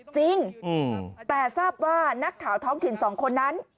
จริงแต่ทราบว่านักข่าวท้องถิ่นสองคนนั้น